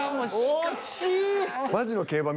惜しい！